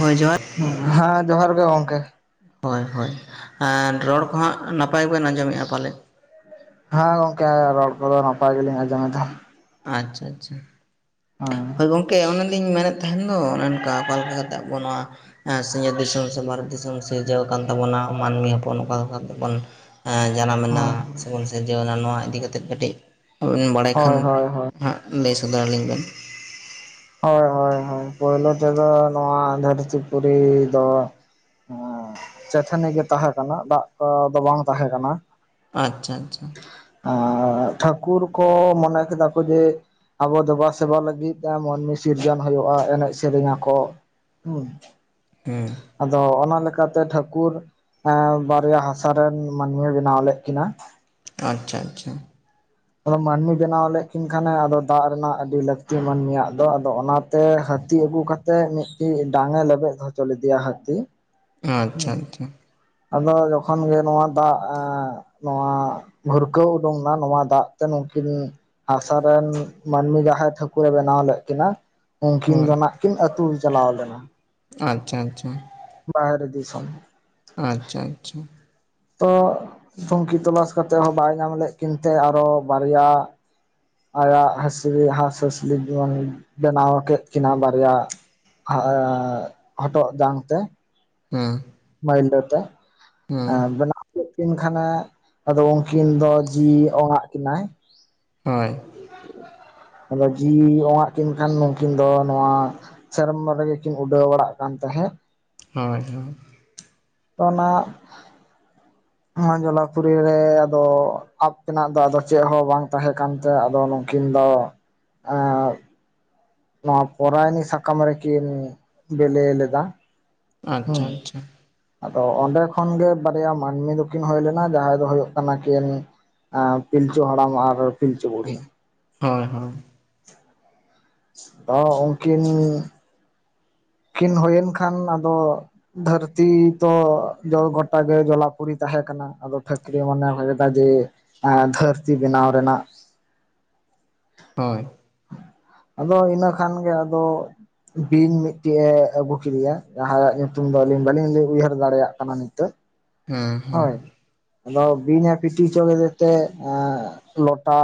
ᱦᱳᱭ ᱡᱚᱦᱟᱨ, ᱦᱟᱸ ᱡᱚᱦᱟᱨ ᱜᱮ ᱜᱚᱝᱠᱮ? ᱦᱳᱭ ᱦᱳᱭ ᱟᱨ ᱨᱚᱲ ᱠᱚ ᱦᱟᱸᱜ ᱱᱟᱯᱟᱭ ᱵᱮᱱ ᱟᱸᱡᱚᱢᱮᱜᱼᱟ ᱯᱟᱞᱮᱱ? ᱦᱮᱸ ᱜᱚᱝᱠᱮ ᱨᱚᱲ ᱠᱚᱫᱚ ᱱᱟᱯᱟᱭ ᱜᱮᱞᱤᱧ ᱟᱸᱡᱚᱢᱮᱫᱟ᱾ ᱟᱪᱷᱟ, ᱟᱪᱷᱟ᱾ ᱚ, ᱦᱳᱭ ᱜᱚᱝᱠᱮ ᱚᱱᱮᱞᱤᱧ ᱢᱮᱱᱮᱫ ᱛᱟᱦᱮᱸᱱ ᱫᱚ, ᱚᱱᱮ ᱚᱱᱠᱟ ᱚᱠᱟ ᱞᱮᱠᱟ ᱠᱟᱛᱮ ᱟᱵᱚ-ᱟ ᱱᱚᱣᱟ ᱮᱸ ᱥᱤᱧᱚᱛ ᱫᱤᱥᱚᱢ ᱥᱮ ᱵᱷᱟᱨᱚᱛ ᱫᱤᱥᱚᱢ ᱥᱤᱨᱡᱟᱹᱣ ᱟᱠᱟᱱ ᱛᱟᱵᱚᱱᱟ ᱢᱟᱹᱱᱢᱤ ᱦᱚᱯᱚᱱ ᱚᱠᱟ ᱞᱮᱠᱟ ᱛᱮᱵᱚᱱ ᱦᱮᱸ ᱡᱟᱱᱟᱢᱮᱱᱟ ᱦᱳᱭ ᱥᱮᱵᱚᱱ ᱥᱤᱨᱡᱟᱹᱣᱱᱟ ᱱᱚᱣᱟ ᱤᱫᱤ ᱠᱟᱛᱮ ᱠᱟᱹᱴᱤᱡ ᱟᱹᱵᱤᱱ ᱵᱟᱲᱟᱭ ᱠᱷᱟᱱ ᱦᱳᱭ ᱦᱳᱭ ᱦᱳᱭ ᱦᱟᱸ ᱞᱟᱹᱭ ᱥᱚᱫᱚᱨ ᱟᱹᱞᱤᱧ ᱵᱮᱱ? ᱦᱳᱭ ᱦᱳᱭ ᱦᱳᱭ ᱯᱳᱭᱞᱳ ᱛᱮᱫᱚ ᱱᱚᱣᱟ ᱫᱷᱟᱹᱨᱛᱤ ᱯᱩᱨᱤ ᱫᱚ ᱪᱮᱴᱷᱟᱹᱱᱤ ᱜᱮ ᱛᱟᱦᱮᱸ ᱠᱟᱱᱟ ᱫᱟᱜ ᱠᱚ ᱫᱚ ᱵᱟᱝ ᱛᱟᱦᱮᱸ ᱠᱟᱱᱟ᱾ ᱟᱪᱷᱟ ᱟᱪᱷᱟ᱾ ᱟᱨ ᱴᱷᱟᱹᱠᱩᱨ ᱠᱚ ᱢᱚᱱᱮ ᱠᱮᱫᱟ ᱠᱚ ᱡᱮ ᱟᱵᱚ ᱫᱮᱵᱟ ᱥᱮᱵᱟ ᱞᱟᱹᱜᱤᱫᱼᱼ ᱢᱤ ᱥᱤᱨᱡᱚᱱ ᱦᱳᱭᱳᱜᱼᱟ ᱮᱱᱮᱡ ᱥᱮᱨᱮᱧ ᱟᱠᱚ, ᱦᱩᱸ᱾ ᱦᱩᱸ, ᱟᱫᱚ ᱚᱱᱟ ᱞᱮᱠᱟᱛᱮ ᱴᱷᱟᱹᱠᱩᱨ ᱮᱸ ᱵᱟᱨᱭᱟ ᱦᱟᱥᱟ ᱨᱮᱱ ᱢᱟᱹᱱᱢᱤᱭ ᱵᱮᱱᱟᱣ ᱞᱮᱫ ᱠᱤᱱᱟ᱾ ᱟᱪᱷᱟ ᱟᱪᱷᱟ᱾ ᱟᱫᱚ ᱢᱟᱹᱱᱢᱤ ᱵᱮᱱᱟᱣ ᱞᱮᱫ ᱠᱤᱱ ᱠᱷᱟᱱᱮ ᱟᱫᱚ ᱫᱟᱜ ᱨᱮᱱᱟᱜ ᱟᱹᱰᱤ ᱞᱟᱹᱠᱛᱤ ᱢᱟᱹᱱᱢᱤᱭᱟᱜ ᱫᱚ ᱟᱫᱚ ᱚᱱᱟᱛᱮ ᱦᱟᱹᱛᱤ ᱟᱹᱜᱩ ᱠᱟ ᱛᱮ ᱢᱤᱫᱴᱤᱡ ᱰᱟᱝ ᱮ ᱞᱮᱵᱮᱫ ᱦᱚᱪᱚ ᱞᱮᱫᱮᱭᱟ ᱦᱟᱹᱛᱤ᱾ ᱟᱪᱷᱟ ᱦᱩᱸ ᱟᱪᱷᱟ᱾ ᱟᱫᱚ ᱡᱚᱠᱷᱚᱱ ᱜᱮ ᱱᱚᱣᱟ ᱫᱟᱜ ᱮᱸ ᱱᱚᱣᱟ ᱵᱷᱩᱨᱠᱟᱹᱣ ᱩᱰᱩᱝ ᱱᱟ ᱱᱚᱣᱟ ᱫᱟᱜ ᱛᱮ ᱱᱩᱠᱤᱱ ᱦᱟᱥᱟ ᱨᱮᱱ ᱢᱟᱹᱱᱢᱤ ᱡᱟᱦᱟᱸᱭ ᱴᱷᱟᱹᱠᱩᱨᱮ ᱵᱮᱱᱟᱣ ᱞᱮᱫ ᱠᱤᱱᱟ᱾ ᱩᱱᱠᱤᱱ ᱦᱳᱭ ᱫᱚ ᱱᱟᱜ ᱠᱤᱱ ᱟᱹᱛᱩ ᱪᱟᱞᱟᱣ ᱞᱮᱱᱟ᱾ ᱟᱪᱪᱷᱟ ᱟᱪᱪᱷᱟ᱾ ᱵᱟᱦᱚᱨᱮ ᱫᱤᱥᱚᱢ᱾ ᱟᱪᱪᱷᱟ ᱟᱪᱪᱷᱟ᱾ ᱛᱚ ᱛᱩᱝᱠᱷᱤ ᱛᱚᱞᱟᱥ ᱠᱟᱛᱮᱫ ᱦᱚᱸ ᱵᱟᱭ ᱧᱟᱢ ᱞᱮᱫ ᱠᱤᱱ ᱛᱮ ᱟᱨᱚ ᱵᱟᱨᱭᱟ ᱟᱭᱟᱜ ᱦᱟᱸᱥᱞᱤ ᱦᱟᱸᱥᱼᱦᱟᱸᱥᱞᱤᱵᱚᱱ ᱵᱮᱱᱟᱣ ᱠᱮᱫ ᱠᱤᱱᱟᱹ ᱵᱟᱨᱭᱟ᱾ ᱦᱚᱻᱦᱚᱴᱚᱜ ᱡᱟᱝ ᱛᱮ᱾ ᱦᱩᱸ᱾ ᱢᱟᱭᱞᱟᱹ ᱛᱮ ᱵᱮᱱᱟ ᱟᱫᱚ ᱩᱱᱠᱤᱱ ᱟᱫᱚ ᱡᱤᱣᱤ ᱚᱝ ᱟᱜ ᱠᱤᱱᱟᱭ᱾ ᱦᱳᱭ᱾ ᱟᱫᱚ ᱡᱤᱣᱤ ᱚᱝᱟᱜ ᱠᱤᱱ ᱠᱷᱟᱱ ᱱᱩᱠᱤᱱ ᱫᱚ ᱱᱚᱣᱟ ᱥᱮᱨᱢᱵᱟ ᱨᱮᱜᱮ ᱠᱤᱱ ᱩᱰᱟᱹᱣ ᱵᱟᱲᱟᱜ ᱠᱟᱱ ᱛᱟᱦᱮᱸᱫ᱾ ᱦᱳᱭ ᱦᱳᱭ᱾ ᱚᱱᱟ ᱱᱚᱣᱟ ᱡᱚᱞᱟᱯᱩᱨᱤ ᱨᱮ ᱟᱫᱚ ᱟᱯ ᱛᱮᱱᱟᱜ ᱫᱚ ᱟᱫᱚ ᱪᱮᱫ ᱦᱚᱸ ᱵᱟᱝ ᱛᱟᱦᱮᱸ ᱠᱟᱱ ᱛᱮ ᱟᱫᱚ ᱠᱤᱱ ᱫᱚ ᱮᱸᱜ ᱱᱚᱣᱟ ᱯᱚᱨᱟᱭᱱᱤ ᱥᱟᱠᱟᱢ ᱨᱮᱠᱤᱱ ᱵᱤᱞᱤ ᱞᱮᱫᱟ᱾ ᱦᱮᱸ ᱟᱪᱪᱷᱟ ᱟᱪᱪᱷᱟ᱾ ᱟᱫᱚ ᱚᱸᱰᱮ ᱠᱷᱚᱱᱜᱮ ᱵᱟᱨᱭᱟ ᱢᱟᱹᱱᱢᱤ ᱫᱚ ᱠᱤᱱ ᱦᱩᱭ ᱞᱮᱱᱟ ᱡᱟᱦᱟᱸᱭ ᱫᱚ ᱦᱩᱭᱩᱜ ᱠᱟᱱᱟ ᱠᱤᱱ ᱯᱤᱞᱪᱩ ᱦᱟᱲᱟᱢ ᱟᱨ ᱯᱤᱞᱪᱩ ᱵᱩᱲᱦᱤ᱾ ᱦᱳᱭ ᱦᱳᱭ᱾ ᱚ ᱩᱱᱠᱤᱱ ᱠᱤᱱ ᱦᱩᱭᱮᱱ ᱠᱷᱟᱱ ᱟᱫᱚ ᱫᱷᱟᱹᱨᱛᱤ ᱛᱚ ᱜᱚᱴᱟᱜᱮ ᱡᱚᱞᱟᱯᱩᱨᱤ ᱛᱟᱦᱮᱸ ᱠᱟᱱᱟ᱾ ᱟᱫᱚ ᱴᱷᱟᱹᱠᱨᱤ ᱢᱚᱱᱮ ᱦᱚ ᱠᱮᱫᱟ ᱡᱮ ᱫᱷᱟᱹᱨᱛᱤ ᱵᱮᱱᱟᱣ ᱨᱮᱱᱟᱜ᱾ ᱦᱳᱭ᱾ ᱟᱫᱚ ᱤᱱᱟᱹ ᱠᱷᱟᱱ ᱜᱮ ᱟᱫᱚ ᱵᱤᱧ ᱢᱤᱫᱴᱮᱱ ᱮ ᱟᱹᱜᱩ ᱠᱮᱫᱮᱭᱟ ᱡᱟᱦᱟᱸᱭᱟᱜ ᱧᱩᱛᱩᱢ ᱫᱚ ᱟᱹᱞᱤᱧ ᱵᱟᱹᱞᱤᱧ ᱩᱭᱦᱟᱹᱨ ᱫᱟᱲᱮᱭᱟᱜ ᱠᱟᱱᱟ ᱱᱤᱛᱚᱜ᱾ ᱦᱩᱸ ᱦᱩᱸ᱾ ᱦᱳᱭ ᱟᱫᱚ ᱵᱤᱧ ᱮ ᱯᱤᱴᱤ ᱚᱪᱚ ᱠᱮᱫᱮ ᱛᱮ ᱞᱚᱴᱟ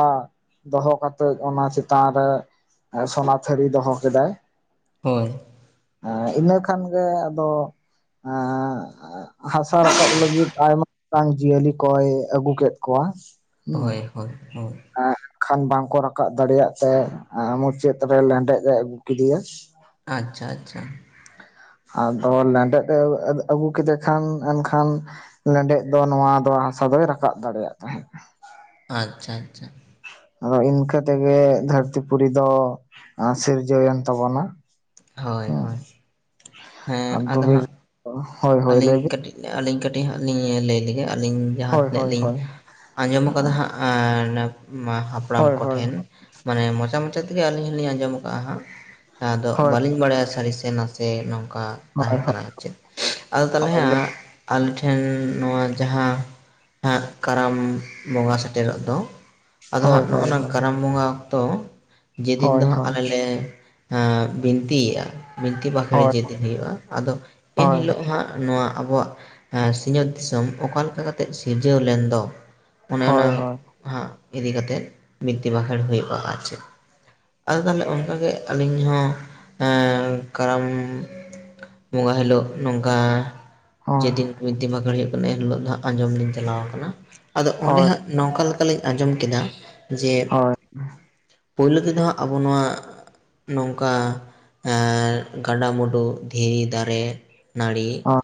ᱫᱚᱦᱚ ᱠᱟᱛᱮᱜ ᱚᱱᱟ ᱪᱮᱛᱟᱱ ᱨᱮ ᱥᱚᱱᱟ ᱛᱷᱟᱹᱨᱤ ᱫᱚᱦᱚ ᱠᱮᱫᱟᱭ᱾ ᱦᱳᱭ᱾ ᱤᱱᱟᱹ ᱠᱷᱟᱱ ᱜᱮ ᱟᱫᱚ ᱮᱜ ᱦᱟᱥᱟ ᱨᱟᱠᱟᱵ ᱞᱟᱹᱜᱤᱫ ᱟᱭᱢᱟ ᱜᱟᱱ ᱡᱤᱭᱟᱹᱞᱤ ᱠᱚᱭ ᱟᱹᱜᱩ ᱠᱮᱫ ᱠᱚᱣᱟ᱾ ᱦᱮᱸ ᱦᱳᱭ ᱦᱳᱭ ᱦᱳᱭ᱾ ᱠᱷᱟᱱ ᱵᱟᱝᱠᱚ ᱨᱟᱠᱟᱵ ᱫᱟᱲᱮᱭᱟᱜ ᱛᱮ᱾ ᱟᱨ ᱩᱱᱤ ᱪᱮᱫ ᱞᱮᱠᱟ ᱛᱮ ᱞᱮᱸᱰᱮᱛ ᱮ ᱟᱹᱜᱩ ᱠᱮᱫᱮᱭᱟ᱾ ᱟᱪᱪᱷᱟ ᱟᱪᱪᱷᱟ᱾ ᱟᱫᱚ ᱞᱮᱸᱰᱮᱫ ᱮ ᱟᱹᱜᱩ ᱠᱮᱫᱮ ᱠᱷᱟᱱ ᱮᱱᱠᱷᱟᱱ ᱞᱮᱸᱰᱮᱫ ᱫᱚ ᱱᱚᱣᱟ ᱫᱚ ᱦᱟᱥᱟ ᱫᱚᱭ ᱨᱟᱠᱟᱵ ᱫᱟᱲᱮᱭᱟᱜ ᱛᱟᱦᱮᱸᱫ᱾ ᱟᱪᱪᱷᱟ ᱟᱪᱪᱷᱟ᱾ ᱟᱫᱚ ᱤᱱᱠᱟᱹ ᱛᱮᱜᱮ ᱫᱷᱟᱹᱨᱛᱤ ᱯᱩᱨᱤ ᱫᱚ ᱥᱤᱨᱡᱟᱹᱣᱮᱱ ᱛᱟᱵᱚᱱᱟ᱾ ᱦᱳᱭ ᱦᱳᱭ ᱦᱮᱸ ᱟᱫᱚ ᱦᱟᱸᱜ ᱦᱳᱭ ᱦᱳᱭ ᱟᱹᱞᱤᱧ ᱞᱟᱹᱭ ᱵᱤᱱ ᱠᱟᱹᱴᱤᱡ ᱟᱹᱞᱤᱧ ᱠᱟᱹᱴᱤᱡ ᱦᱟᱸᱜ ᱞᱤᱧ ᱞᱟᱹᱭ ᱞᱮᱜᱮ ᱟᱹᱞᱤᱧ ᱡᱟᱦᱟᱸ ᱦᱳᱭ ᱛᱤᱱᱟᱹᱜ ᱦᱳᱭ ᱞᱤᱧ ᱦᱳᱭ ᱟᱸᱡᱚᱢ ᱟᱠᱟᱫᱟ ᱦᱟᱸᱜ ᱮᱻ ᱱᱟ ᱢᱟ ᱦᱟᱯᱲᱟᱢ ᱦᱳᱭ ᱦᱳᱭ ᱠᱚᱴᱷᱮᱱ᱾ ᱢᱟᱱᱮ ᱢᱚᱪᱟ ᱢᱚᱪᱟ ᱛᱮᱜᱮ ᱟᱹᱞᱤᱧ ᱦᱚᱞᱤᱧ ᱟᱸᱡᱚᱢ ᱟᱠᱟᱜᱼᱟ ᱦᱟᱸᱜ, ᱟᱫᱚ ᱦᱳᱭ ᱵᱟᱹᱞᱤᱧ ᱵᱟᱲᱟᱭᱟ ᱥᱟᱹᱨᱤ ᱥᱮ ᱱᱟᱥᱮ᱾ ᱡᱮ ᱱᱚᱝᱠᱟ ᱛᱟᱦᱮᱸ ᱦᱳᱭ ᱠᱟᱱᱟ ᱪᱮᱫ᱾ ᱟᱫᱚ ᱛᱟᱦᱟᱞᱮ ᱦᱳᱭ ᱦᱟᱸᱜ, ᱟᱞᱮ ᱴᱷᱮᱱ ᱱᱚᱣᱟ ᱡᱟᱦᱟ, ᱸ ᱦᱟᱸᱜ ᱠᱟᱨᱟᱢ ᱵᱚᱸᱜᱟ ᱥᱮᱴᱮᱨᱚᱜ ᱫᱚ, ᱟᱫᱚ ᱦᱳᱭ ᱦᱟᱸᱜ ᱦᱳᱭ ᱦᱳᱭ ᱱᱚᱜᱼᱚᱱᱟ ᱠᱟᱨᱟᱢ ᱵᱚᱸᱜᱟ, ᱛᱚ, ᱡᱮᱫᱤᱱ ᱦᱳᱭ ᱫᱚ ᱦᱟᱸᱜ ᱦᱳᱭ ᱟᱞᱮ ᱞᱮ, ᱦᱻᱟᱜ ᱵᱤᱱᱛᱤᱭᱮᱜᱼᱟ᱾ ᱵᱤᱱᱛᱤ ᱵᱟᱠᱷᱮᱬ ᱦᱳᱭ ᱡᱮᱫᱤᱱ ᱦᱩᱭᱩᱜᱼᱟ ᱟᱫᱚ ᱦᱳᱭ ᱦᱳᱭ ᱮᱱᱦᱤᱞᱳᱜ ᱦᱟᱸᱜ ᱱᱚᱣᱟ ᱟᱵᱚᱣᱟᱜ ᱥᱤᱧᱚᱛ ᱫᱤᱥᱚᱢ ᱚᱠᱟ ᱞᱮᱠᱟ ᱠᱟᱛᱮᱜ ᱥᱤᱨᱡᱟᱹᱣ ᱞᱮᱱ ᱫᱚ᱾ ᱚᱱᱮ ᱚᱱᱟ ᱦᱳᱭ ᱦᱳᱭ ᱦᱳᱭ ᱦᱳᱭ ᱦᱟᱸᱜ ᱤᱫᱤ ᱠᱟᱛᱮᱫ ᱵᱤᱱᱛᱤ ᱵᱟᱸᱠᱷᱮᱬ ᱦᱩᱭᱩᱜᱼᱟ ᱟᱨ ᱪᱮᱫ ᱟᱫᱚ ᱛᱟᱦᱟᱮ ᱚᱱᱠᱟ ᱜᱮ ᱟᱹᱞᱤᱧ ᱦᱚᱸ ᱦᱮᱸᱻ ᱠᱟᱨᱟᱢᱻ ᱵᱚᱸᱜᱟ ᱦᱤᱞᱚᱜ ᱱᱚᱝᱠᱟ ᱡᱮᱫᱤᱱ ᱵᱤᱱᱛᱤ ᱵᱟᱸᱠᱷᱮᱬ ᱦᱩᱭᱩᱜ ᱠᱟᱱᱟ ᱮᱱᱦᱤᱞᱳᱜ ᱫᱚ ᱟᱸᱡᱚᱢ ᱞᱤᱧ ᱪᱟᱞᱟᱣ ᱠᱟᱱᱟ ᱟᱫᱚ ᱚᱸᱰᱮ ᱦᱟᱸᱜ ᱦᱳᱭ ᱱᱚᱝᱠᱟ ᱞᱮ ᱞᱤᱧ ᱟᱸᱡᱚᱢ ᱠᱮᱫᱟ ᱡᱮ, ᱯᱩᱭᱞᱳ ᱛᱮᱫᱚ ᱦᱟᱸᱜ ᱟᱵᱚ ᱱᱚᱣᱟ, ᱱᱚᱝᱠᱟ, ᱟᱻᱨ ᱜᱟᱰᱟᱼᱢᱩᱰᱩ, ᱫᱷᱤᱨᱤ ᱫᱟᱨᱮ, ᱱᱟᱹᱲᱤ, ᱦᱳᱭ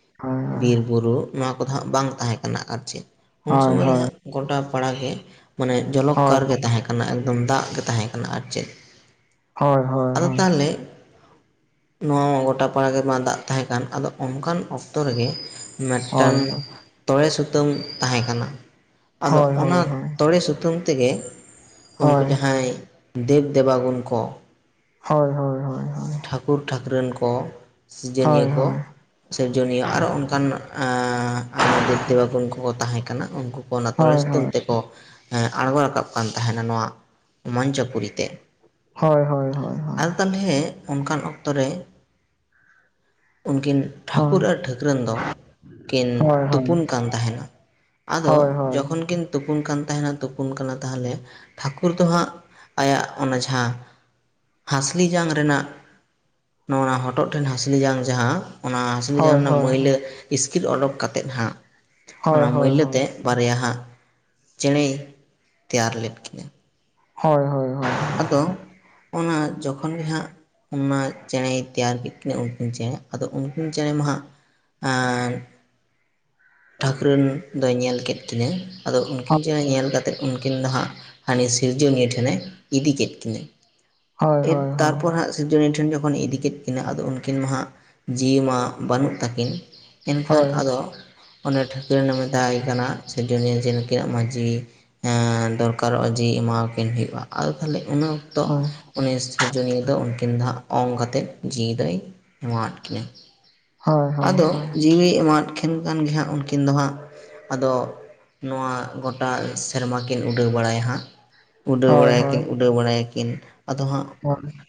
ᱵᱤᱨ ᱵᱩᱨᱩ ᱱᱚᱣᱟ ᱠᱚᱫᱚ ᱦᱟᱸᱜ ᱵᱟᱝ ᱛᱟᱦᱮᱸ ᱠᱟᱱᱟ ᱟᱨ ᱪᱮᱫ᱾ ᱩᱱ ᱥᱚᱢᱚᱭ ᱫᱚ ᱦᱟᱸᱜ, ᱦᱳᱭ ᱜᱚᱴᱟ ᱯᱟᱲᱟ ᱜᱮ, ᱢᱟᱱᱮ ᱡᱚᱞᱚ ᱦᱳᱭ ᱠᱟᱨ ᱜᱮ ᱛᱟᱦᱮᱸ ᱠᱟᱱᱟ ᱮᱠᱫᱚᱢ ᱫᱟᱜ ᱜᱮ ᱛᱟᱦᱮᱸ ᱠᱟᱱᱟ ᱟᱨ ᱪᱮᱫ᱾ ᱦᱚᱭ ᱦᱚᱭ ᱟᱫᱚ ᱦᱚᱭ᱾ ᱛᱟᱦᱚᱞᱮ ᱱᱚᱣᱟ ᱢᱟ ᱜᱚᱴᱟ ᱯᱟᱲᱟ ᱜᱮᱢᱟ ᱫᱟᱜ ᱛᱟᱦᱮᱸ ᱠᱟᱱ ᱟᱫᱚ ᱚᱱᱠᱟᱱ ᱚᱠᱛᱚ ᱨᱮᱜᱮ ᱢᱮᱫ ᱴᱟᱝ ᱛᱚᱲᱮ ᱥᱩᱛᱟᱹᱢ, ᱛᱟᱦᱮᱸ ᱠᱟᱱᱟ᱾ ᱟᱫᱚ ᱦᱳᱭ ᱦᱳᱭ ᱦᱳᱭ ᱚᱱᱟ ᱦᱳᱭ ᱛᱚᱲᱮ ᱥᱩᱛᱟᱹᱢ ᱛᱮᱜᱮ, ᱩᱱᱠᱩ ᱡᱟᱦᱟᱸᱭ, ᱫᱮᱵᱽ ᱫᱮᱵᱟᱜᱩᱱ ᱠᱚ᱾ ᱦᱚᱭ ᱦᱚᱭ᱾ ᱴᱷᱟᱹᱠᱩᱨ ᱴᱷᱟᱹᱠᱨᱟᱹᱱ ᱠᱚ, ᱥᱤᱡᱟᱹᱱᱤᱭᱟᱹ ᱠᱚ, ᱥᱤᱨᱡᱚᱱᱤᱭᱟᱹ ᱟᱨᱚ ᱚᱱᱠᱟᱱ ᱟᱸᱻ ᱟᱭᱢᱟ ᱫᱮᱵᱽ ᱫᱮᱵᱟᱜᱩᱱ ᱠᱚᱠᱚ ᱛᱟᱦᱮᱸ ᱠᱟᱱᱟ ᱱᱩᱠᱩ᱾ ᱚᱱᱟ ᱛᱚᱲᱮ ᱥᱩᱛᱟᱹᱢ ᱛᱮᱠᱚ ᱟᱬᱜᱚ ᱨᱟᱠᱟᱵ ᱠᱟᱱ ᱛᱟᱦᱮᱸᱱᱟ ᱱᱚᱣᱟ, ᱢᱚᱧᱪᱚᱯᱩᱨᱤ ᱛᱮ᱾ ᱦᱚᱭ ᱦᱚᱭ ᱦᱚᱭ ᱦᱚᱭ᱾ ᱛᱟᱞᱦᱮ ᱚᱱᱠᱟᱱ ᱚᱠᱛᱚ ᱨᱮ, ᱩᱱᱠᱤᱱ ᱴᱷᱟᱹᱠᱩᱨ ᱦᱳᱭ ᱟᱨ ᱴᱷᱟᱹᱠᱨᱟᱹᱱ ᱫᱚ, ᱠᱤᱱ ᱦᱳᱭ ᱦᱳᱭ ᱛᱩᱯᱩᱱ ᱠᱟᱱ ᱛᱟᱦᱮᱱᱟ, ᱟᱫᱚ ᱡᱚᱠᱷᱚᱱ ᱠᱤᱱ ᱛᱩᱯᱩᱱ ᱠᱟᱱ ᱛᱟᱦᱮᱸᱱᱟ ᱛᱩᱯᱩᱱ ᱠᱟᱱᱟ ᱛᱟᱦᱚᱞᱮ᱾ ᱴᱷᱟᱹᱠᱩᱨ ᱫᱚ ᱦᱟᱸᱜ ᱟᱭᱟᱜ ᱚᱱᱟ ᱡᱟᱦᱟᱸ ᱦᱟᱸᱥᱞᱤ ᱡᱟᱝ ᱨᱮᱱᱟᱜ᱾ ᱱᱚᱣᱟ ᱦᱚᱴᱚᱜ ᱴᱷᱮᱱ ᱦᱟᱺᱥᱞᱤ ᱡᱟᱝ ᱡᱟᱦᱟᱸ ᱚᱱᱟ ᱦᱟᱺᱥᱞᱤ ᱡᱟᱝ ᱱᱟ ᱢᱟᱹᱭᱞᱟᱹ, ᱤᱥᱠᱤᱨ ᱚᱰᱚᱠ ᱠᱟᱛᱮᱫ ᱦᱟᱸᱜ, ᱚᱱᱟ ᱢᱟᱹᱭᱞᱟᱹ ᱛᱮ, ᱵᱟᱨᱭᱟ ᱦᱟᱸᱜ, ᱪᱮᱬᱮᱭ, ᱛᱮᱭᱟᱨ ᱞᱮᱫ ᱠᱤᱱᱟᱹ᱾ ᱦᱚᱭ ᱦᱚᱭ᱾ ᱟᱫᱚ, ᱚᱱᱟ ᱡᱚᱠᱷᱚᱱ ᱜᱮ ᱦᱟᱸᱜ ᱚᱱᱟ ᱪᱮᱬᱮᱭ, ᱛᱮᱭᱟᱨ ᱠᱮᱫ ᱠᱤᱱᱟᱹ ᱩᱱᱠᱤᱱ ᱪᱮᱬᱮ ᱟᱫᱚ ᱩᱱᱠᱤᱱ ᱪᱮᱬᱮ ᱢᱟ ᱦᱟᱸᱜ ᱟᱸᱻ ᱴᱷᱟᱹᱠᱨᱟᱹᱱ ᱫᱚᱭ ᱧᱮᱞ ᱠᱮᱫ ᱠᱤᱱᱟᱹ, ᱟᱫᱚ ᱩᱱᱠᱤᱱ ᱪᱮᱬᱮ ᱧᱮᱞ ᱠᱟᱛᱮᱫ ᱩᱱᱠᱤᱱ ᱫᱚ ᱦᱟᱸᱜ, ᱦᱟᱹᱱᱤ ᱥᱤᱨᱡᱚᱱᱤᱭᱟᱹ ᱴᱷᱮᱱᱮ ᱤᱫᱤ ᱠᱮᱫ ᱠᱤᱱᱟᱹ [unintelligible] ᱛᱟᱨᱯᱚᱨ ᱦᱟᱸᱜ ᱥᱤᱨᱡᱚᱱᱤᱭᱟᱹ ᱴᱷᱮᱱ ᱡᱚᱠᱷᱚᱱᱮ ᱤᱫᱤ ᱠᱮᱫ ᱠᱤᱱᱟᱹ ᱟᱫᱚ ᱩᱱᱠᱤᱱ ᱢᱟ ᱦᱟᱸᱜ, ᱡᱤᱣᱤ ᱢᱟ ᱵᱟᱹᱱᱩᱜ ᱛᱟᱹᱠᱤᱱ᱾ ᱮᱱᱠᱷᱟᱱ ᱟᱫᱚ ᱚᱱᱮ ᱴᱷᱟᱹᱠᱨᱮᱱᱮ ᱢᱮᱛᱟᱭ ᱠᱟᱱᱟ ᱥᱤᱨᱡᱚᱱᱤᱭᱟᱹ ᱡᱮ ᱱᱩᱝᱠᱤᱱᱟᱜ ᱢᱟ ᱡᱤᱣᱤ ᱟᱸᱻ ᱫᱚᱨᱠᱟᱨᱚᱜᱼᱟ ᱡᱤᱣᱤ ᱮᱢᱟᱣᱟᱠᱤᱱ ᱦᱩᱭᱩᱜᱼᱟ ᱟᱫᱚ ᱛᱟᱦᱚᱞᱮ ᱤᱱᱟᱹ ᱛᱚ ᱩᱱᱤ ᱥᱤᱨᱡᱚᱱᱤᱭᱟᱹ ᱫᱚ ᱩᱱᱠᱤᱱ ᱫᱚ ᱦᱟᱸᱜ ᱚᱝ ᱠᱟᱛᱮᱫ ᱡᱤᱣᱤ ᱫᱚᱭ ᱮᱢᱟᱣᱟᱫ ᱠᱤᱱᱟᱹ᱾ ᱟᱫᱚ ᱡᱤᱣᱤ ᱮᱢᱟᱫ ᱠᱤᱱ ᱠᱷᱟᱱ ᱜᱮ ᱦᱟᱸᱜ ᱩᱱᱠᱤᱱ ᱫᱚ ᱦᱟᱸᱜ, ᱟᱫᱚ ᱱᱚᱣᱟ ᱜᱚᱴᱟ ᱥᱮᱨᱢᱟ ᱠᱤᱱ ᱩᱰᱟᱹᱣ ᱵᱟᱲᱟᱭᱟ ᱦᱟᱸᱜ, ᱩᱰᱟᱹᱣ ᱵᱟᱲᱟᱭᱟ ᱠᱤᱱ ᱩᱰᱟᱹᱣ ᱵᱟᱲᱟᱭᱟ ᱠᱤᱱ ᱟᱫᱚ ᱦᱟᱸᱜ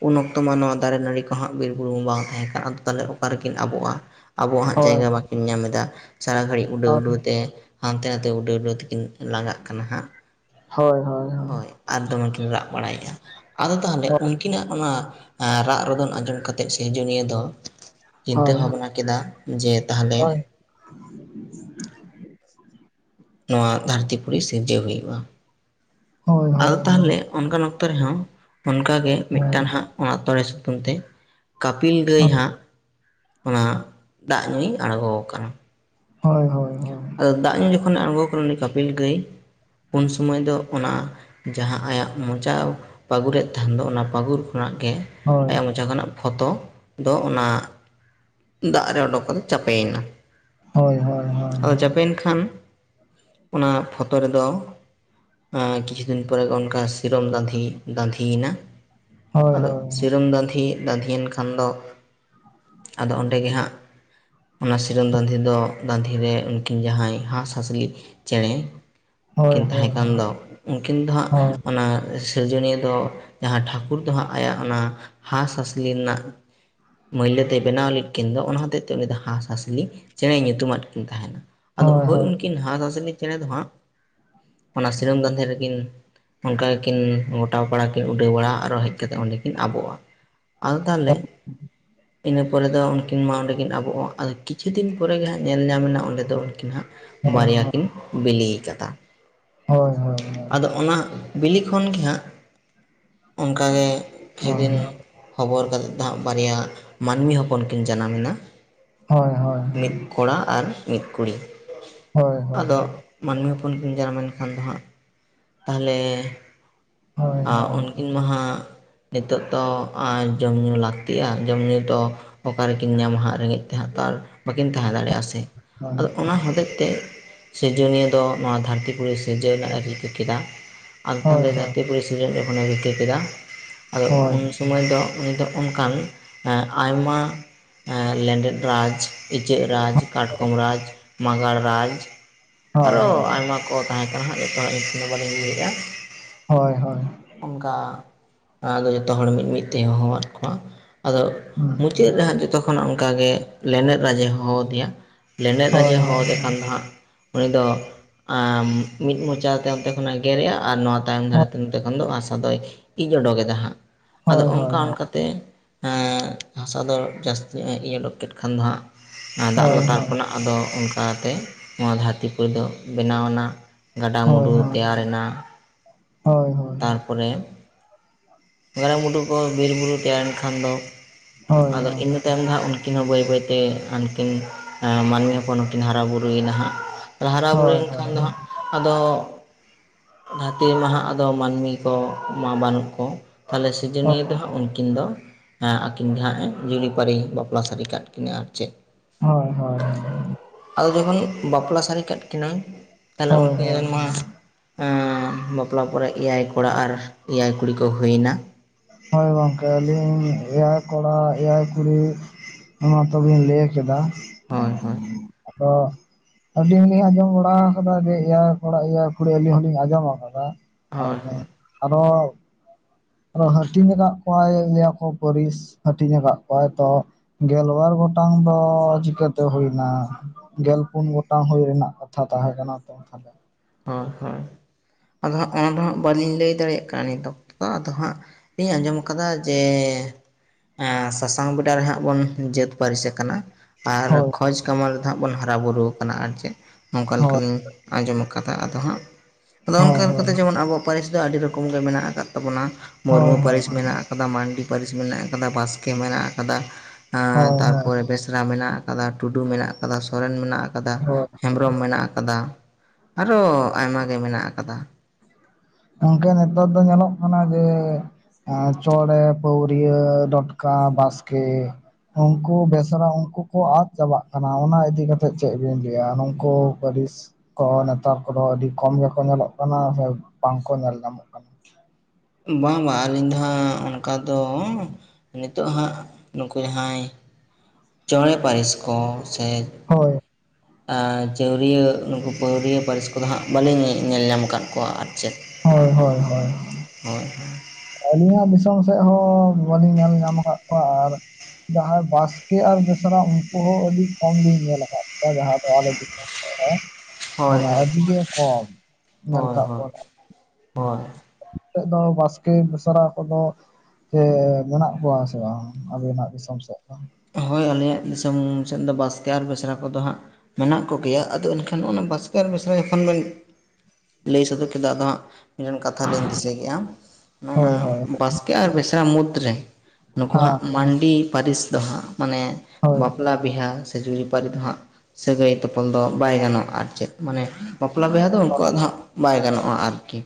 ᱩᱱ ᱚᱠᱼᱼ ᱩᱱ ᱢᱟ ᱱᱚᱣᱟ ᱫᱟᱨᱮ ᱱᱟᱲᱤ ᱠᱚᱦᱟᱜ ᱵᱤᱨ ᱵᱩᱨᱩ ᱵᱟᱝ ᱛᱟᱦᱮᱸ ᱠᱟᱱᱟ, ᱟᱫᱚ ᱛᱟᱦᱚᱞᱮ ᱚᱠᱟ ᱨᱮᱠᱤᱱ ᱟᱵᱚᱜ-ᱟ? ᱟᱵᱚᱣᱟᱜ ᱦᱟᱸᱜ ᱡᱟᱭᱜᱟ ᱵᱟᱠᱤᱱ ᱧᱟᱢ ᱮᱫᱟ ᱥᱟᱨᱟ ᱜᱷᱟᱹᱲᱤᱡ ᱩᱰᱟᱹ ᱩᱰᱟᱹᱣ ᱛᱮ, ᱦᱟᱱᱛᱮ ᱱᱟᱛᱮ ᱩᱰᱟᱹᱣ ᱩᱰᱟᱹᱣ ᱛᱤᱠᱤᱱ ᱞᱟᱸᱜᱟᱜ ᱠᱟᱱᱟ ᱦᱟᱹᱜ, ᱦᱳᱭ ᱦᱳᱭ ᱦᱳᱭ, ᱟᱨ ᱫᱚᱢᱮ ᱠᱤᱱ ᱨᱟᱜ ᱵᱟᱲᱟᱭᱮᱜ-ᱟ, ᱟᱫᱚ ᱛᱟᱦᱚᱞᱮ ᱩᱱᱠᱤᱱᱟᱜ ᱚᱱᱟ ᱨᱟᱜ ᱨᱚᱫᱷᱚᱱ ᱟᱸᱡᱚᱢ ᱠᱟ ᱛᱮᱫ ᱥᱤᱨᱡᱚᱱᱤᱭᱟᱹ ᱫᱚ ᱪᱤᱱᱛᱟᱹ ᱵᱷᱟᱵᱽᱱᱟ ᱠᱮᱫᱟ, ᱡᱮ ᱛᱟᱦᱚᱞᱮ ᱱᱚᱣᱟ ᱫᱷᱟᱹᱨᱛᱤ ᱯᱩᱨᱤ ᱥᱤᱨᱡᱟᱹᱣ ᱦᱩᱭᱩᱜ-ᱟ ᱾ ᱦᱳᱭ ᱦᱳᱭ, ᱟᱫᱚ ᱛᱟᱦᱚᱞᱮ ᱚᱱᱠᱟᱱ ᱚᱠᱛᱚ ᱨᱮ ᱦᱚᱸ ᱚᱱᱠᱟᱜᱮ ᱢᱤᱫᱴᱟᱱ ᱦᱟᱸᱜ ᱚᱱᱟ ᱛᱚᱸᱲᱮ ᱥᱩᱛᱟᱹᱢ ᱛᱮ, ᱠᱟᱯᱤᱞ ᱜᱟᱹᱭ ᱦᱟᱸᱜ ᱚᱱᱟ ᱫᱟᱜ ᱧᱩᱭ ᱟᱬᱜᱚ ᱟᱠᱟᱱᱟ᱾ ᱦᱳᱭ ᱦᱳᱭ, ᱟᱫᱚ ᱫᱟᱜ ᱧᱩ ᱡᱚᱠᱷᱚᱱᱮ ᱟᱬᱜᱚ ᱟᱠᱟᱱᱟ ᱩᱱᱤ ᱠᱟᱯᱤᱞ ᱜᱟᱹᱭ ᱩᱱ ᱥᱩᱢᱟᱹᱭ ᱫᱚ ᱚᱱᱟ, ᱡᱟᱦᱟᱸ ᱟᱭᱟᱜ ᱢᱚᱪᱟ ᱯᱟᱹᱜᱩᱨᱮᱫ ᱛᱟᱦᱮᱱ ᱫᱚ ᱚᱱᱟ ᱯᱟᱹᱜᱩᱨ ᱠᱷᱚᱱᱟᱜ ᱜᱮ, ᱟᱭᱟᱜ ᱢᱚᱪᱟ ᱠᱷᱚᱱᱟᱜ ᱯᱷᱚᱛᱚ ᱫᱚ ᱚᱱᱟ ᱫᱟᱜ ᱨᱮ ᱚᱰᱳᱠ ᱠᱟᱛᱮ ᱪᱟᱯᱮᱭᱮᱱᱟ ᱾ ᱦᱚᱭ ᱦᱚᱭ ᱦᱚᱭ, ᱪᱟᱯᱮᱭᱮᱱ ᱠᱷᱟᱱ ᱚᱱᱟ ᱯᱷᱚᱛᱳ ᱨᱮ ᱫᱚ, ᱠᱤᱪᱷᱩ ᱫᱤᱱ ᱯᱚᱨᱮ ᱚᱱᱠᱟ ᱥᱤᱨᱚᱢ ᱫᱟᱸᱫᱷᱤ ᱫᱟᱸᱫᱷᱤᱭᱮᱱᱟ ᱟᱫᱚ, ᱥᱤᱨᱚᱢ ᱫᱟᱸᱫᱷᱤ ᱫᱟᱸᱫᱷᱤᱭᱮᱱ ᱠᱷᱟᱱ ᱫᱚ, ᱟᱫᱚ ᱚᱸᱰᱮ ᱜᱮ ᱦᱟᱸᱜ ᱚᱱᱟ ᱥᱤᱨᱚᱢ ᱫᱟᱸᱫᱷᱤ ᱫᱚ ᱫᱟᱸᱫᱷᱤᱨᱮ, ᱩᱱᱠᱤᱱ ᱡᱟᱦᱟᱸᱭ ᱦᱟᱸᱥ-ᱦᱟᱸᱥᱞᱤ ᱪᱮᱸᱬᱮ ᱠᱤᱱ ᱛᱟᱦᱮ ᱠᱟᱱ ᱫᱚ, ᱩᱱᱠᱤᱱ ᱫᱚ ᱦᱟᱸᱜ ᱚᱱᱟ ᱥᱤᱨᱡᱚᱱᱤᱭᱟᱹ ᱫᱚ ᱡᱟᱦᱟᱸ ᱴᱷᱟᱹᱠᱩᱨ ᱫᱚ ᱦᱟᱸᱜ ᱟᱭᱟᱜ ᱚᱱᱟ ᱦᱟᱸᱥ ᱦᱟᱸᱥᱞᱤ ᱨᱮᱱᱟᱜ, ᱢᱟᱹᱭᱞᱟᱹ ᱛᱮᱭ ᱵᱮᱱᱟᱣ ᱞᱮᱫ ᱠᱤᱱ ᱫᱚ ᱚᱱᱟ ᱦᱚᱛᱮᱡ ᱛᱮ ᱩᱱᱤ ᱫᱚ ᱦᱟᱸᱥ ᱦᱟᱸᱥᱞᱤ ᱪᱮᱸᱬᱮ ᱧᱩᱛᱩᱢᱟᱫ ᱠᱤᱱ ᱛᱟᱦᱮᱱᱟ ᱾ ᱟᱫᱚ ᱦᱳᱭ ᱩᱱ ᱠᱤᱱ ᱦᱟᱸᱥ-ᱦᱟᱸᱥᱞᱤ ᱪᱮᱸᱬᱮ ᱫᱚ ᱦᱟᱸᱜ ᱚᱱᱟ ᱥᱤᱨᱚᱢ ᱫᱟᱸᱫᱷᱮ ᱨᱮ ᱠᱤᱱ, ᱚᱱᱠᱟ ᱜᱮᱠᱤᱱ ᱜᱚᱴᱟᱣ ᱯᱟᱲᱟ ᱠᱤᱱ ᱩᱰᱟᱹᱣ ᱵᱟᱲᱟ ᱟᱨᱚ ᱦᱮᱡ ᱠᱟᱛᱮ ᱚᱸᱰᱮ ᱠᱤᱱ ᱟᱵᱚᱜ-ᱟ ᱾ ᱟᱫᱚ ᱛᱟᱦᱚᱞᱮ ᱤᱱᱟᱹ ᱯᱚᱨᱮ ᱫᱚ ᱩᱱ ᱠᱤᱱ ᱢᱟ ᱚᱸᱰᱮ ᱠᱤᱱ ᱟᱵᱚᱜ-ᱟ, ᱟᱨ ᱠᱤᱪᱷᱩ ᱫᱤᱱ ᱯᱚᱨᱮ ᱜᱮ ᱦᱟᱸᱜ ᱧᱮᱞ ᱧᱟᱢᱮᱱᱟ ᱚᱸᱰᱮ ᱫᱚ ᱩᱱᱠᱤᱱ, ᱦᱟᱸᱜ ᱵᱟᱨᱭᱟ ᱠᱤᱱ ᱵᱮᱞᱮ ᱠᱟᱫᱟ᱾ ᱦᱳᱭ ᱦᱳᱭ, ᱟᱫᱚ ᱚᱱᱟ ᱵᱤᱞᱤ ᱠᱷᱚᱱ ᱜᱮ ᱦᱟᱸᱜ ᱚᱱᱠᱟ ᱜᱮ ᱠᱤᱪᱷᱩ ᱫᱤᱱ, ᱦᱚᱵᱚᱨ ᱠᱟᱛᱮᱫ ᱫᱚ ᱦᱟᱸᱜ ᱵᱟᱨᱭᱟ ᱢᱟᱹᱱᱢᱤ ᱦᱚᱯᱚᱱ ᱠᱤᱱ ᱡᱟᱱᱟᱢᱮᱱᱟ ᱾ ᱦᱳᱭ ᱦᱳᱭ ᱦᱳᱭ, ᱢᱤᱫ ᱠᱚᱲᱟ ᱟᱨ ᱢᱤᱫ ᱠᱩᱲᱤ, ᱦᱳᱭ ᱦᱳᱭ, ᱟᱫᱚ ᱢᱟᱹᱱᱢᱤ ᱦᱚᱯᱚᱱ ᱠᱤᱱ ᱡᱟᱱᱟᱢ ᱮᱱ ᱠᱷᱟᱱ ᱫᱚ ᱦᱟᱸᱜ, ᱛᱟᱦᱚᱞᱮ ᱩᱱ ᱠᱤᱱ, ᱩᱱ ᱢᱟᱦᱟᱸᱜ ᱱᱤᱛᱯᱜ ᱫᱚ ᱡᱚᱢ ᱧᱩ ᱞᱟᱹᱠᱛᱤᱜ-ᱟ, ᱡᱚᱢ-ᱧᱩ ᱫᱚ ᱚᱠᱟ ᱨᱮᱠᱤᱱ ᱧᱟᱢᱟ ᱦᱟᱸᱜ-ᱟ, ᱨᱮᱸᱜᱮᱡ ᱛᱮ ᱦᱟᱸᱜ ᱛᱚ ᱟᱨ ᱵᱟᱠᱤᱱ ᱛᱟᱸᱦᱮ ᱫᱟᱲᱮᱭᱟᱜ-ᱟ ᱥᱮ, ᱟᱫᱚ ᱚᱱᱟ ᱦᱚᱛᱮᱡ ᱛᱮ ᱥᱤᱨᱡᱚᱱᱤᱭᱟᱹ ᱫᱚ ᱱᱚᱣᱟ ᱫᱷᱟᱹᱨᱛᱤ ᱯᱩᱨᱤ ᱥᱤᱨᱡᱟᱹᱣ ᱨᱮᱱᱟᱜ ᱮ ᱨᱤᱠᱟᱹ ᱠᱮᱫᱟ ᱟᱫᱚ ᱛᱟᱦᱚᱞᱮ ᱫᱷᱟᱹᱨᱛᱤ ᱯᱩᱨᱤ ᱥᱤᱨᱡᱚᱱ ᱡᱚᱠᱷᱚᱱᱮ ᱨᱤᱠᱟᱹ ᱠᱮᱫᱟ ᱟᱫᱚ ᱩᱱ ᱥᱚ ᱩᱱ ᱥᱩᱢᱟᱹᱭ ᱫᱚ ᱩᱱᱤ ᱫᱚ ᱚᱱᱠᱟᱱ ᱟᱭᱢᱟ ᱾ ᱞᱮᱸᱰᱮᱫ ᱨᱟᱡᱽ, ᱤᱪᱟᱹᱜ ᱨᱟᱡᱽ, ᱠᱟᱴᱠᱚᱢ ᱨᱟᱡᱽ, ᱢᱟᱜᱟᱲ ᱨᱟᱡᱽ ᱟᱨ ᱦᱳᱭ ᱦᱚᱸ ᱦᱳᱭ ᱟᱭᱢᱟ, ᱠᱚ ᱛᱟᱦᱮᱸ ᱠᱟᱱᱟ ᱦᱟᱹᱜ ᱡᱚᱛᱚ ᱦᱚᱲᱟᱜ ᱧᱩᱛᱩᱢ ᱫᱚ ᱵᱟᱹᱞᱤᱧ ᱞᱟᱹᱭᱮᱜ-ᱟ᱾ ᱦᱳᱭ ᱦᱳᱭ, ᱚᱝᱠᱟ ᱟᱫᱚ ᱡᱚᱛᱚ ᱦᱚᱲ ᱢᱤᱫ ᱢᱤᱫ ᱛᱮ ᱦᱚᱦᱚᱣᱟᱫ ᱠᱚᱣᱟ᱾ ᱟᱫᱚ ᱢᱩᱪᱟᱹᱫ ᱨᱮ ᱦᱟᱸᱜ ᱡᱷᱚᱛᱚ ᱠᱷᱚᱱ ᱚᱱᱠᱟᱜᱮ ᱞᱮᱸᱰᱮᱫ ᱨᱟᱡᱽ ᱮ ᱦᱚᱦᱚᱫᱮᱭᱟ᱾ ᱞᱮᱸᱰᱮᱫ ᱨᱟᱡᱮ ᱦᱳᱭ ᱦᱳᱭ ᱦᱳᱭ ᱦᱳᱭ ᱦᱚᱦᱚᱫᱮ ᱠᱷᱟᱱ ᱫᱚ ᱦᱟᱸᱜ ᱩᱱᱤ ᱫᱚ ᱟᱸ ᱢᱤᱫ ᱢᱚᱪᱟ ᱛᱮ ᱱᱚᱛᱮ ᱠᱷᱚᱱᱮ ᱜᱮᱨᱮ-ᱟ ᱟᱨ ᱱᱚᱣᱟ ᱛᱟᱭᱚᱢ ᱫᱷᱟᱨᱮᱛᱮ ᱱᱚᱛᱮ ᱫᱚ ᱦᱟᱥᱟ ᱫᱚᱭ ᱤᱜ ᱚᱰᱚᱠ ᱮᱫᱟ ᱦᱟᱸᱜ᱾ ᱟᱫᱚ ᱦᱳᱭ ᱦᱳᱭ ᱦᱳᱭ ᱚᱱᱠᱟ ᱚᱱᱠᱟ ᱛᱮ ᱮᱸ ᱦᱟᱥᱟ ᱫᱚ ᱡᱟᱹᱥᱛᱤ ᱧᱚᱜᱼᱮ ᱤᱜ ᱚᱰᱚᱠ ᱠᱮᱫ ᱠᱷᱟᱱ ᱫᱚ ᱦᱟᱸᱜ, ᱮᱸ ᱫᱟᱜᱽ ᱦᱳᱭ ᱞᱟᱛᱟᱨ ᱠᱷᱚᱱᱟᱜ ᱟᱫᱚ ᱚᱱᱠᱟᱛᱮ ᱱᱚᱣᱟ ᱫᱷᱟᱹᱨᱛᱤ ᱯᱩᱨᱤ ᱫᱚ ᱵᱮᱱᱟᱣᱮᱱᱟ᱾ ᱦᱳᱭ ᱦᱳᱭ ᱜᱟᱰᱟᱼᱢᱩᱸᱰᱩ ᱛᱮᱭᱟᱨᱮᱱᱟ᱾ ᱦᱳᱭ ᱛᱟᱼ ᱛᱟᱨᱯᱚᱨᱮ ᱜᱟᱵᱟ ᱢᱩᱸᱰᱩ ᱠᱚ ᱵᱤᱨ-ᱵᱩᱨᱩ ᱛᱮᱭᱟᱨᱮᱱ ᱠᱷᱟᱱ ᱫᱚ ᱟᱫᱚ ᱤᱱᱟᱹ ᱛᱟᱭᱚᱢ ᱫᱚ ᱦᱟᱸᱜ ᱩᱱᱠᱤᱱ ᱦᱚᱸ ᱵᱟᱹᱭ ᱵᱟᱹᱭᱛᱮ ᱦᱟᱱᱠᱤᱱ ᱮᱸ ᱢᱟᱹᱱᱢᱤ ᱦᱚᱯᱚᱱ ᱦᱚᱸ ᱠᱤᱱ ᱦᱟᱨᱟᱼᱵᱩᱨᱩᱭ ᱱᱟ ᱦᱟᱸᱜ᱾ ᱛᱚ ᱦᱟᱨᱟ ᱵᱩᱨᱩᱭᱮᱱ ᱠᱷᱟᱱ ᱫᱚ ᱦᱟᱸᱜ ᱟᱫᱚ ᱫᱷᱟᱹᱨᱛᱤ ᱨᱮᱢᱟ ᱦᱟᱸᱜ ᱟᱫᱚ ᱢᱟᱹᱱᱢᱤ ᱠᱚ ᱢᱟ ᱵᱟᱹᱱᱩᱜ ᱠᱚ᱾ ᱛᱟᱦᱚᱞᱮ ᱥᱤᱨᱤᱡᱚᱱᱤᱭᱟᱹ ᱫᱚ ᱦᱟᱸᱜ ᱩᱱᱠᱤᱱ ᱫᱚ ᱦᱮᱸ ᱟᱹᱠᱤᱱ ᱜᱮ ᱦᱟᱸᱜ ᱡᱩᱨᱤ-ᱯᱟᱹᱨᱤ ᱵᱟᱯᱞᱟ ᱥᱟᱹᱨᱤ ᱠᱟᱫ ᱠᱤᱱᱟᱹ ᱟᱨ ᱪᱮᱫ᱾ ᱦᱳᱭ ᱦᱳᱭ ᱦᱳᱭ, ᱟᱫᱚ ᱡᱚᱠᱷᱚᱱ ᱵᱟᱯᱞᱟ ᱥᱟᱸᱨᱤ ᱠᱟᱜ ᱠᱤᱱᱟᱹᱧ ᱛᱟᱦᱚᱞᱮ ᱩᱱᱠᱤᱱ ᱦᱳᱭ ᱨᱮᱱ ᱢᱟ ᱮᱸᱻ ᱵᱟᱯᱞᱟ ᱯᱚᱨᱮ ᱮᱭᱟᱭ ᱠᱚᱲᱟ ᱟᱨ ᱮᱭᱟᱭ ᱠᱩᱲᱤ ᱠᱚ ᱦᱩᱭᱱᱟ᱾ ᱦᱳᱭ ᱜᱚᱝᱠᱮ ᱟᱹᱞᱤᱧ ᱮᱭᱟᱭ ᱠᱚᱲᱟ ᱮᱭᱟᱭ ᱠᱩᱲᱤ, ᱱᱚᱣᱟ ᱦᱚᱸ ᱛᱚ ᱵᱤᱱ ᱞᱟᱹᱭ ᱠᱮᱫᱟ, ᱦᱳᱭ ᱦᱳᱭ, ᱟᱫᱚ, ᱟᱹᱞᱤᱧ ᱦᱚᱸᱞᱤᱧ ᱟᱸᱡᱚᱢ ᱵᱟᱲᱟ ᱟᱠᱟᱫᱟ ᱡᱮ ᱮᱭᱟᱭ ᱠᱚᱲᱟ ᱮᱭᱟᱭ ᱠᱩᱲᱤ ᱟᱹᱞᱤᱧ ᱦᱚᱸᱞᱤᱧ ᱟᱸᱡᱚᱢ ᱟᱠᱟᱫᱟ᱾ ᱟ ᱦᱳᱭ ᱦᱳᱭ [unintelligible] ᱟᱫᱚ ᱟᱨᱚ ᱦᱟᱹᱴᱤᱧᱟᱠᱟᱜ ᱠᱚᱣᱟᱭ ᱞᱟᱹᱭ ᱠᱚ ᱯᱟᱹᱨᱤᱥ ᱦᱟᱹᱴᱤᱧᱟᱠᱟᱜ ᱠᱚᱣᱟᱭ ᱛᱚ, ᱜᱮᱞᱵᱟᱨ ᱜᱚᱴᱟᱝ ᱫᱚ ᱪᱤᱠᱟᱹᱛᱮ ᱦᱩᱭ ᱱᱟ᱾ ᱜᱮᱞ ᱯᱩᱱ ᱜᱚᱴᱟᱝ ᱦᱩᱭ ᱨᱮᱱᱟᱜ ᱠᱟᱛᱷᱟ ᱛᱟᱦᱮᱸ ᱠᱟᱱᱟ ᱛᱚ ᱛᱟᱦᱞᱮ᱾ ᱦᱳᱭ ᱦᱳᱭ ᱟᱫᱚ ᱦᱟᱸᱜ ᱚᱱᱟ ᱫᱚ ᱦᱟᱸᱜ ᱵᱟᱹᱞᱤᱧ ᱞᱟᱹᱭ ᱫᱟᱲᱮᱭᱟᱜ ᱠᱟᱱᱟ ᱱᱤᱛᱚᱜ ᱫᱚ ᱟᱫᱚ ᱦᱟᱸᱜ, ᱤᱧ ᱟᱸᱡᱚᱢ ᱠᱟᱫᱟ ᱡᱮ ᱮᱸ ᱥᱟᱥᱟᱝ ᱵᱮᱰᱟ ᱨᱮᱦᱟᱸᱜ ᱵᱚᱱ ᱡᱟᱹᱛ ᱯᱟᱹᱨᱤᱥ ᱟᱠᱟᱱᱟ ᱟᱨ ᱦᱳᱭ ᱠᱷᱚᱡᱽ ᱠᱟᱢᱟᱱ ᱨᱮᱫᱚ ᱦᱟᱸᱜ ᱵᱚᱱ ᱦᱟᱨᱟ ᱵᱩᱨᱩ ᱠᱟᱱᱟ ᱟᱨ ᱪᱮᱫ᱾ ᱚᱝᱠᱟ ᱦᱳᱭ ᱞᱮᱠᱟᱜᱤᱧ ᱟᱸᱡᱚᱢ ᱠᱟᱫᱟ᱾ ᱟᱫᱚ ᱦᱟᱸᱜ ᱟᱫᱚ ᱦᱳᱭ ᱚᱱᱠᱟ ᱞᱮᱠᱟᱛᱮ ᱡᱮᱢᱚᱱ ᱟᱵᱚ ᱯᱟᱹᱨᱤᱥ ᱫᱚ ᱟᱹᱰᱤ ᱨᱚᱠᱚᱢ ᱜᱮ ᱢᱮᱱᱟᱜ ᱟᱠᱟᱫ ᱛᱟᱵᱚᱱᱟ ᱦᱳᱭ ᱢᱩᱨᱢᱩ ᱦᱳᱭ ᱦᱳᱭ ᱯᱟᱹᱨᱤᱥ ᱢᱮᱱᱟᱜ ᱟᱠᱟ- ᱫᱟ ᱢᱟᱹᱱᱰᱤ ᱯᱟᱹᱨᱤᱥ ᱢᱮᱱᱟᱜ ᱟᱠᱟᱫᱟ ᱵᱟᱥᱠᱮ ᱢᱮᱱᱟᱜ ᱟᱠᱟᱫᱟ ᱟᱸ ᱦᱳᱭ ᱦᱳᱭ ᱛᱟᱨᱯᱚᱨᱮ ᱵᱮᱥᱨᱟ ᱢᱮᱱᱟᱜ ᱟᱠᱟᱫᱟ, ᱴᱩᱰᱩ ᱢᱮᱱᱟᱜ ᱟᱠᱟᱫᱟ, ᱥᱚᱨᱮᱱ ᱢᱮᱱᱟᱜ ᱟᱠᱟᱫᱟ, ᱦᱳᱭ ᱦᱮᱢᱵᱨᱚᱢ ᱢᱮᱱᱟᱜ ᱟᱠᱟᱫᱟ, ᱟᱨᱚ ᱟᱭᱢᱟ ᱜᱮ ᱢᱮᱱᱟᱜ ᱟᱠᱟᱫᱟ᱾ ᱜᱚᱝᱠᱮ ᱱᱤᱛᱚᱜ ᱫᱚ ᱧᱮᱞᱚᱜ ᱠᱟᱱᱟ ᱡᱮ, ᱮᱸ ᱪᱚᱸᱬᱮ, ᱯᱟᱹᱣᱨᱤᱭᱟᱹ, ᱰᱚᱸᱴᱠᱟ, ᱵᱟᱥᱠᱮ, ᱩᱝᱠᱩ ᱵᱮᱥᱨᱟ ᱩᱱᱠᱩ ᱠᱚ ᱟᱫᱽ ᱪᱟᱵᱟᱜ ᱠᱟᱱᱟ, ᱚᱱᱟ ᱤᱫᱤ ᱠᱟᱛᱮᱜ ᱪᱮᱜ ᱵᱤᱱ ᱞᱟᱹᱭᱟ? ᱱᱩᱠᱩ ᱯᱟᱹᱨᱤᱥ ᱠᱚ ᱱᱮᱛᱟᱨ ᱠᱚᱫᱚ ᱟᱹᱰᱤ ᱠᱚᱢ ᱜᱮᱠᱚ ᱧᱮᱞᱚᱜ ᱠᱟᱱᱟ ᱥᱮ ᱵᱟᱝᱠᱚ ᱧᱮᱞ ᱧᱟᱢᱚᱜ? ᱠᱟᱱᱟ ᱵᱟᱝ ᱵᱟᱝ ᱟᱹᱞᱤᱧ ᱫᱚ ᱦᱟᱸᱜ ᱚᱱᱠᱟ ᱫᱚ ᱱᱤᱛᱚᱜ ᱦᱟᱸᱜ ᱱᱩᱠᱩ ᱡᱟᱦᱟᱸᱭ ᱪᱚᱸᱬᱮ ᱯᱟᱹᱨᱤᱥ ᱠᱚ ᱥᱮ, ᱦᱳᱭ, ᱟᱨ ᱪᱟᱹᱣᱨᱤᱭᱟᱸ ᱱᱩᱠᱩ ᱯᱟᱹᱣᱨᱤᱭᱟᱹ ᱯᱟᱹᱨᱤᱥ ᱠᱚᱫᱚ ᱦᱟᱸᱜ ᱵᱟᱹᱞᱤᱧ ᱧᱮᱞ ᱧᱟᱢ ᱠᱟᱜ ᱠᱚᱣᱟ ᱟᱨ ᱪᱮᱫ᱾ ᱦᱳᱭ ᱦᱳᱭ ᱦᱳᱭ, ᱦᱳᱭ, ᱟᱹᱞᱤᱧᱟᱜ ᱫᱤᱥᱚᱢ ᱥᱮᱫ ᱦᱚᱸ ᱵᱟᱹᱞᱤᱧ ᱧᱮᱞ ᱧᱟᱢ ᱟᱠᱟᱜ ᱠᱚᱣᱟ, ᱟᱨ ᱡᱟᱦᱟᱸᱭ ᱵᱟᱥᱠᱮ ᱟᱨ ᱵᱮᱥᱨᱟ, ᱩᱱᱠᱩ ᱦᱚᱸ ᱟᱹᱰᱤ ᱠᱚᱢ ᱜᱤᱧ ᱧᱮᱞ ᱟᱠᱟᱜ ᱠᱚᱣᱟ᱾ ᱡᱟᱦᱟᱸ ᱫᱚ ᱟᱞᱮ ᱫᱤᱥᱚᱢ ᱥᱮᱫ ᱨᱮ, ᱦᱳᱭ ᱦᱳᱭ ᱢᱟᱱᱮ ᱟᱹᱰᱤ ᱜᱮ ᱠᱚᱢ ᱧᱮᱞ ᱦᱳᱭ ᱟᱠᱟᱜ ᱦᱳᱭ ᱠᱚᱣᱟᱞᱮ᱾ ᱦᱩᱸ ᱦᱳᱭ ᱟᱯᱮ ᱥᱮᱫ ᱫᱚ ᱵᱟᱥᱠᱮ ᱵᱮᱥᱨᱟ ᱠᱚᱫᱚ ᱥᱮ ᱢᱮᱱᱟᱜ ᱠᱚᱣᱟ ᱥᱮ ᱵᱟᱝ, ᱟᱵᱮᱱᱟᱜ ᱫᱤᱥᱚᱢ ᱥᱮᱫ ᱫᱚ? ᱦᱳᱭ ᱟᱞᱮᱭᱟᱜ ᱫᱤᱥᱚᱢ ᱥᱮᱫ ᱫᱚ ᱵᱟᱥᱠᱮ ᱟᱨ ᱵᱮᱥᱨᱟ ᱠᱚᱫᱚ ᱦᱟᱸᱜ ᱢᱮᱱᱟᱜ ᱠᱚᱜᱮᱭᱟ, ᱟᱫᱚ ᱮᱱᱠᱷᱟᱱ ᱚᱱᱟ ᱵᱟᱥᱠᱮ ᱟᱨ ᱢᱤᱥᱨᱟ ᱡᱚᱠᱷᱚᱱ ᱵᱮᱱ ᱞᱟᱹᱭ ᱥᱚᱫᱚᱨ ᱠᱮᱫᱟ ᱟᱫᱚ ᱦᱟᱸᱜ ᱢᱤᱫᱴᱮᱱ ᱠᱟᱛᱷᱟ ᱞᱤᱧ ᱫᱤᱥᱟᱹ ᱠᱮᱫᱼᱟ, ᱱᱚᱼᱚᱱᱟ ᱦᱳᱭ ᱦᱳᱭ ᱵᱟᱥᱠᱮ ᱟᱨ ᱵᱮᱥᱨᱟ ᱢᱩᱫᱽᱨᱮ ᱱᱩᱠᱩ ᱦᱮᱸ ᱦᱟᱸᱜ ᱢᱟᱱᱰᱤ ᱯᱟᱹᱨᱤᱥ ᱫᱚ ᱦᱟᱸᱜ, ᱢᱟᱱᱮ ᱦᱳᱭ ᱵᱟᱯᱞᱟ ᱵᱤᱦᱟ ᱥᱮ ᱡᱩᱨᱤ ᱯᱟᱨᱤ ᱫᱚ ᱦᱟᱸᱜ ᱥᱟᱹᱜᱟᱹᱭ ᱛᱚᱯᱚᱞ ᱫᱚ ᱵᱟᱭ ᱜᱟᱱᱚᱜᱼᱟ, ᱟᱨ ᱪᱮᱫ ᱢᱟᱱᱮ ᱵᱟᱯᱞᱟ ᱵᱤᱦᱟ ᱫᱚ, ᱩᱱᱠᱩᱣᱟᱜ ᱫᱚ ᱦᱟᱸᱜ ᱵᱟᱭ ᱜᱟᱱᱚᱜᱼᱟ ᱟᱨᱠᱤ᱾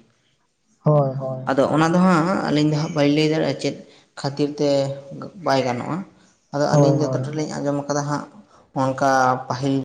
ᱦᱳᱭ, ᱦᱳᱭ᱾ ᱟᱫᱚ ᱦᱳᱭ ᱚᱱᱟ ᱫᱚ ᱦᱟᱸᱜ ᱟᱹᱞᱤᱧ ᱫᱚ ᱦᱟᱸᱜ ᱵᱟᱹᱞᱤᱧ ᱞᱟᱹᱭ ᱫᱟᱲᱮᱜᱼᱟ, ᱪᱮᱫ ᱠᱷᱟᱹᱛᱤᱨ ᱛᱮ ᱵᱟᱭ ᱜᱟᱱᱚᱜᱼᱟ᱾ ᱟᱫᱚ ᱦᱳᱭ ᱟᱹᱞᱤᱧ ᱦᱳᱭ ᱡᱚᱛᱚᱴᱟ ᱞᱤᱧ ᱟᱸᱡᱚᱢ ᱠᱟᱫᱟ ᱦᱟᱸᱜ, ᱚᱱᱠᱟ ᱯᱟᱹᱦᱤᱞ